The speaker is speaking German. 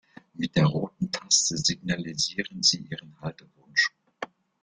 Mit der roten Taste signalisieren Sie Ihren Haltewunsch.